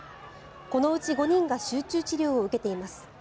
このうち５人が集中治療を受けています。